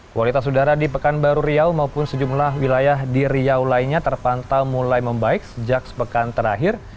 kualitas udara di pekanbaru riau maupun sejumlah wilayah di riau lainnya terpantau mulai membaik sejak sepekan terakhir